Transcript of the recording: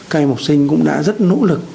các em học sinh cũng đã rất nỗ lực